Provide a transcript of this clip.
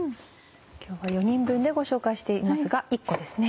今日は４人分でご紹介していますが１個ですね。